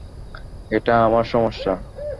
এটা আমার সমস্যা।